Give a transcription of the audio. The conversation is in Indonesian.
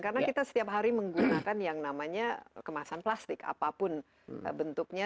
karena kita setiap hari menggunakan yang namanya kemasan plastik apapun bentuknya